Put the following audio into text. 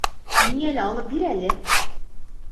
Миңә лә алып бир әле!